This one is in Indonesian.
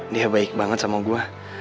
dia baik banget sama gue